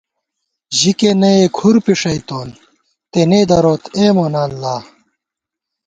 ژِکےنہ ئے کُھر پھݭئی تون، تېنے دروت اے مونہ اللہ